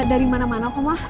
gak dari mana mana kok mah